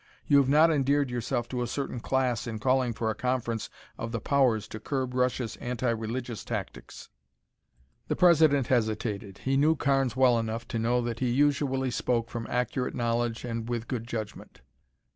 You have not endeared yourself to a certain class in calling for a conference of the powers to curb Russia's anti religious tactics." The President hesitated. He knew Carnes well enough to know that he usually spoke from accurate knowledge and with good judgment.